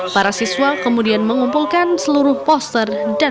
para siswa kemudian mengumpulkan seluruh pohon